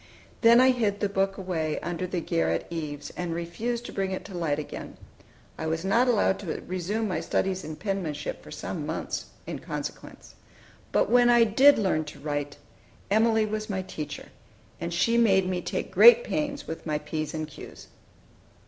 Then I hid the book away under the garret eaves, and refused to bring it to light again. I was not allowed to resume my studies in penmanship for some months, in consequence. But when I did learn to write, Emilie was my teacher, and she made me take great pains with my p's and q's.